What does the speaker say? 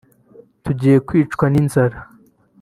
tugiye kwicwa n’inzara